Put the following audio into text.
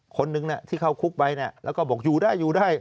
คนหนึ่งที่เข้าคุกไปแล้วก็บอกอยู่ได้อยู่ได้